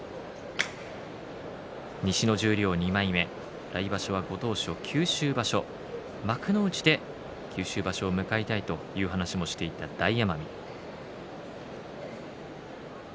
西の十両２枚目、来場所はご当所九州場所幕内で九州場所も変えたいという話をしていた大奄美。